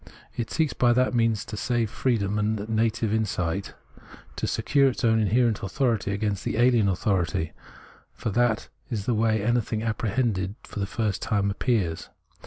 It seeks by that means to save freedom and native insight, to secure its own inherent authority against ahen avithority — for that is the way anything apprehended for the first time appears.